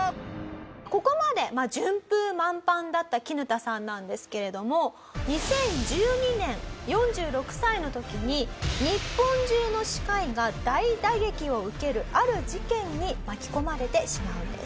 ここまで順風満帆だったキヌタさんなんですけれども２０１２年４６歳の時に日本中の歯科医が大打撃を受けるある事件に巻き込まれてしまうんです。